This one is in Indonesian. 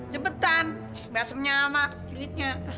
cepetan basemnya sama kilitnya